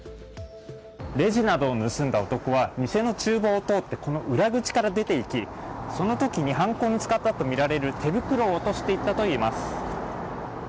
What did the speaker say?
レジなどを盗んだ男は店の厨房を通ってこの裏口から出て行きその時に犯行に使ったとみられる手袋を落としていったといいます。